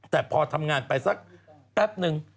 แต่พอทำงานไปสักแป๊บนึง